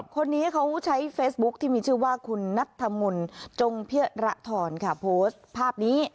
คนนี้เขาใช้เฟซบุ๊คที่มีชื่อว่าคุณนัทธมนต์จงเพียระทรค่ะโพสต์ภาพนี้